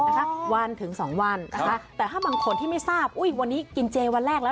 นาวันถึงสองมันนะคะแต่ถ้ามันผลที่ไม่ทราบอุ้ยวันนี้กินเจล่วงหน้าแล้ว